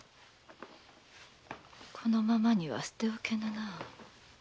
このままには捨て置けぬな。